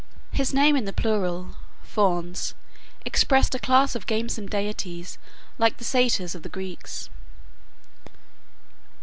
His name in the plural, Fauns, expressed a class of gamesome deities, like the Satyrs of the Greeks.